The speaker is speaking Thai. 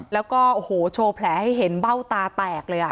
แล้วก็โอ้โหโชว์แผลให้เห็นเบ้าตาแตกเลย